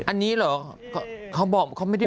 อันนี้เหรอเค้าไม่บอกว่าไหน